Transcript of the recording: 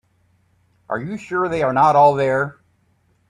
Are you sure they are not all there?